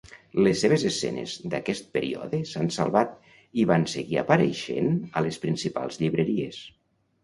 Les seves escenes d'aquest període s'han salvat i van seguir apareixent a les principals llibreries.